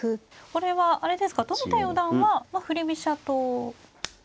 これはあれですか冨田四段は振り飛車党。